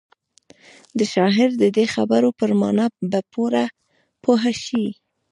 د شاعر د دې خبرو پر مانا به پوره پوه شئ.